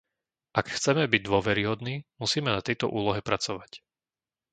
Ak chceme byť dôveryhodní, musíme na tejto úlohe pracovať.